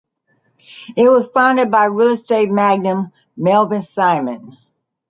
It was founded by real estate magnate Melvin Simon.